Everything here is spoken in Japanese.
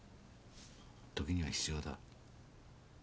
時には必要だ。